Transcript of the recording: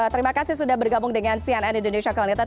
terima kasih sudah bergabung dengan cnn indonesia connected